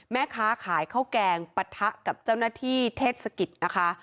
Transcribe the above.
แม่ค้าขายข้าวแกงปะทะกับเจ้าหน้าที่เทศกิจนะคะ